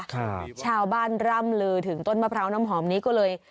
ครับชาวบ้านร่ำลือถึงต้นมะพร้าวน้ำหอมนี้ก็เลย